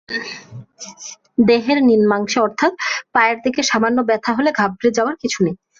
দেহের নিম্নাংশে, অর্থাৎ পায়ের দিকে সামান্য ব্যথা হলে ঘাবড়ে যাওয়ার কিছু নেই।